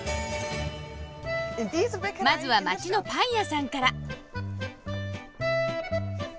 まずは街のパン屋さんから。